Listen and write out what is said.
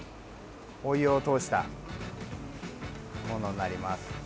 お湯を通したものになります。